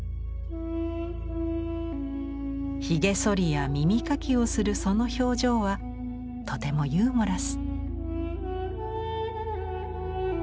ひげそりや耳かきをするその表情はとてもユーモラス。